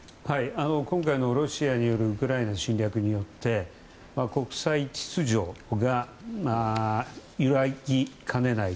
今回のロシアによるウクライナ侵略によって国際秩序が揺らぎかねない